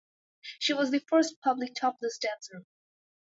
She was the first public topless dancer.